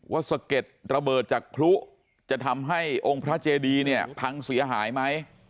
สะเก็ดระเบิดจากครุจะทำให้องค์พระเจดีเนี่ยพังเสียหายไหม